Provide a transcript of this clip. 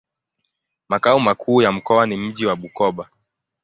Makao makuu ya mkoa ni mji wa Bukoba.